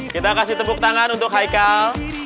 kita kasih tepuk tangan untuk haikal